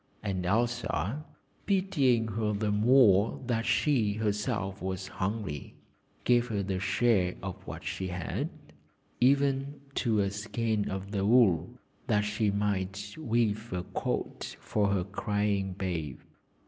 And Elsa, pitying her the more that she herself was hungry, gave her a share of what she had, even to a skein of the wool, that she might weave a coat for her crying babe.